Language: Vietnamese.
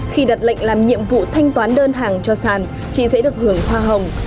khi đặt lệnh làm nhiệm vụ thanh toán đơn hàng cho sàn chị sẽ được hưởng hoa hồng